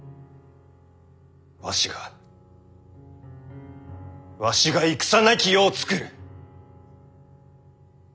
わしがわしが戦なき世を作る。